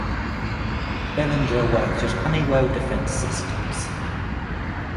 Belanger worked at Honeywell Defense Systems.